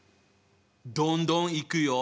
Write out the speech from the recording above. どんどんいくよ！